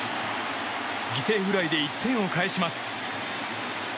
犠牲フライで１点を返します。